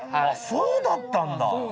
そうだったんだ！